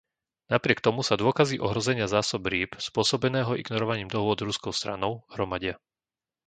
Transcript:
Napriek tomu sa dôkazy ohrozenia zásob rýb, spôsobeného ignorovaním dohôd ruskou stranou, hromadia.